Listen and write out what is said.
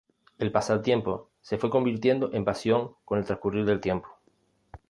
El pasatiempo se fue convirtiendo en pasión con el transcurrir del tiempo.